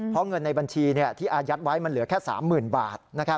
เพราะเงินในบัญชีที่อายัดไว้มันเหลือแค่๓๐๐๐บาท